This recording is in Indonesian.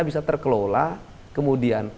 bisa terkelola kemudian